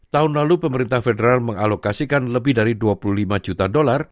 tahun lalu pemerintah federal mengalokasikan lebih dari dua puluh lima juta dolar